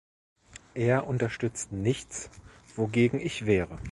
Er unterstützt nichts, wogegen ich wäre.